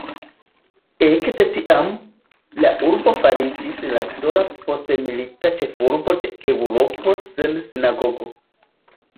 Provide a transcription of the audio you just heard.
Ekde tiam, la urbo fariĝis la sola postmilita ĉefurbo de Eŭropo sen sinagogo.